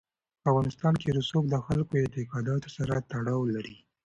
په افغانستان کې رسوب د خلکو د اعتقاداتو سره تړاو لري.